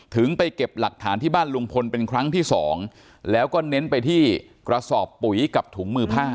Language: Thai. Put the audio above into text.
ไปเก็บหลักฐานที่บ้านลุงพลเป็นครั้งที่สองแล้วก็เน้นไปที่กระสอบปุ๋ยกับถุงมือผ้า